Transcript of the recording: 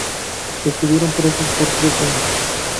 Estuvieron presos por tres años.